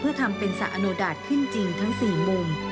เพื่อทำเป็นสะอโนดาตขึ้นจริงทั้ง๔มุม